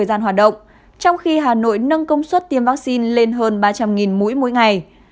sau khi hà nội nâng công suất tiêm vaccine lên hơn ba trăm linh mũi mỗi ngày